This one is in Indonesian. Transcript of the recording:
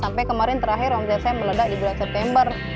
sampai kemarin terakhir omset saya meledak di bulan september